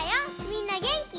みんなげんき？